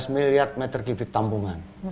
dua belas miliar meter kubik tampungan